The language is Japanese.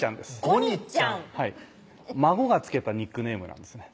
ゴニちゃん孫が付けたニックネームなんですね